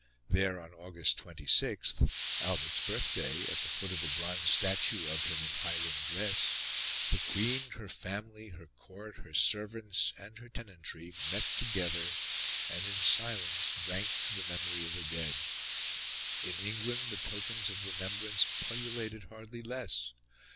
There, on August 26 Albert's birthday at the foot of the bronze statue of him in Highland dress, the Queen, her family, her Court, her servants, and her tenantry, met together and in silence drank to the memory of the dead. In England the tokens of remembrance pullulated hardly less.